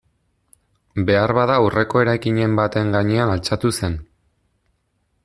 Beharbada aurreko eraikinen baten gainean altxatu zen.